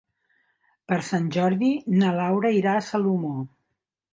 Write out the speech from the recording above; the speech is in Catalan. Per Sant Jordi na Laura irà a Salomó.